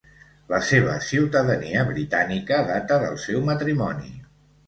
La seva ciutadania britànica data del seu matrimoni.